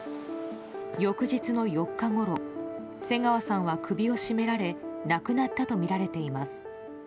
翌日の４日ごろ瀬川さんは首を絞められ亡くなったとみられています。